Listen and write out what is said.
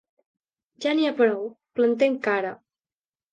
Ja n’hi ha prou, plantem cara!